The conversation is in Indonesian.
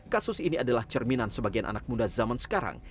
kasus ini adalah cerminan sebagian anak muda zaman sekarang